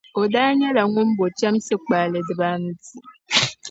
O daa nyala ŋun bo chamsi kpaale dibaa anu ti